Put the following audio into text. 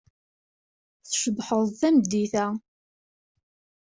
Tcebḥeḍ tameddit-a.